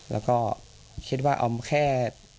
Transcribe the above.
แล้วก็คิดว่าเอาแค่